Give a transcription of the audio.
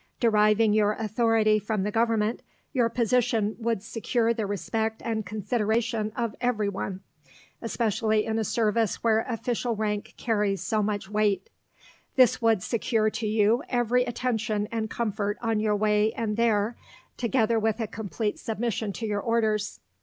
Deriving your authority from the Government, your position would secure the respect and consideration of every one, especially in a service where official rank carries so much weight. This would secure to you every attention and comfort on your way and there, together with a complete submission to your orders.